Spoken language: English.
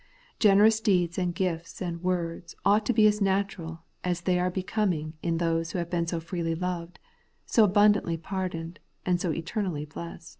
Generous deeds and gifts and words ought to be as natural as they are becoming in those who have been so freely loved, so abundantly par doned, and so eternally blest.